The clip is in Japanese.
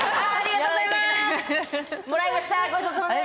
もらいました。